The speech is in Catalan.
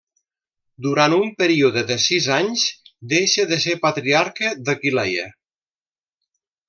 Durant un període de sis anys deixa de ser patriarca d'Aquileia.